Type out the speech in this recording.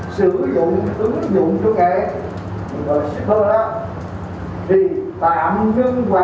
sử dụng ứng dụng chung nghệ